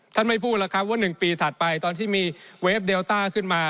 ไม่พูดแล้วครับว่า๑ปีถัดไปตอนที่มีเวฟเดลต้าขึ้นมา